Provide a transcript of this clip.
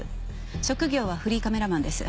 職業はフリーカメラマンです。